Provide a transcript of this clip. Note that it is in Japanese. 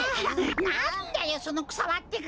なんだよそのくさはってか！